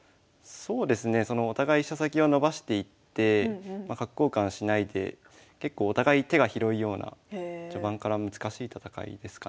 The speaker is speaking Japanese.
そうですねお互い飛車先を伸ばしていって角交換しないで結構お互い手が広いような序盤から難しい戦いですかね。